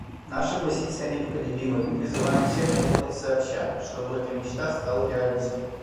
Наша позиция непоколебима, и мы призываем всех работать сообща, чтобы эта мечта стала реальностью.